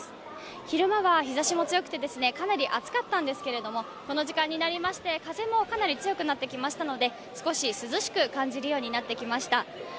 昼間は日ざしも強くてかなり暑かったんですけれども、この時間になりまして、風もかなり強くなってきましたので少し涼しく感じるようになってきました。